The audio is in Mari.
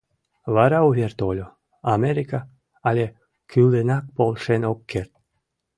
Вара увер тольо: «Америка але кӱлынак полшен ок керт.